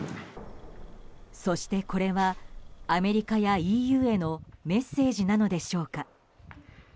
そしてこれはアメリカやＥＵへのメッセージなのでしょうか。